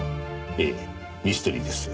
ええミステリーです。